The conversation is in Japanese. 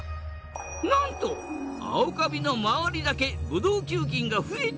なんとアオカビの周りだけブドウ球菌が増えていなかったのだ！